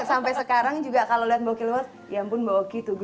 sampai sekarang juga kalau lihat mbak oki luar ya ampun mbak oki